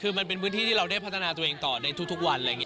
คือมันเป็นพื้นที่ที่เราได้พัฒนาตัวเองต่อในทุกวันอะไรอย่างนี้